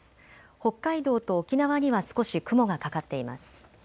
北海道と沖縄には少し雲がかかっています。